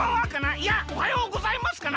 いやおはようございますかな。